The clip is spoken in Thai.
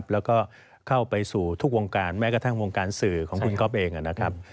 แล้วก็เข้าไปสู่ทุกวงการแม้กระทั่งวงการสื่อของคุณก๊อฟเองนะครับ